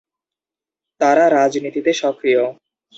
তারা রাজনীতিতে সক্রিয়।